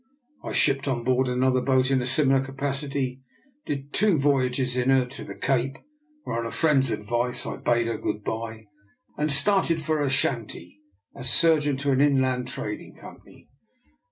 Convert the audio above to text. I shipped on board another boat in a similar capacity, did two voyages in her to the Cape, where on a friend's advice I bade her good bye, and started for Ashanti as sur geon to an Inland Trading Company.